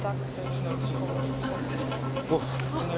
あっ。